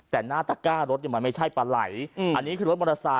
แต่หน้าตะก้ารถมันไม่ใช่ปลาไหลอันนี้คือรถมอเตอร์ไซค